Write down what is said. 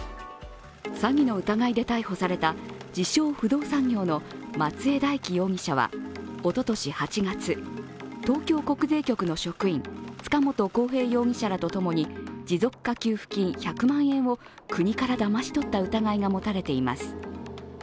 詐欺の疑いで逮捕された自称・不動産業の松江大樹容疑者は、おととし８月、東京国税局の職員塚本晃平容疑者らとともに持続化給付金１００万円を国からだまし取った疑いが持たれています。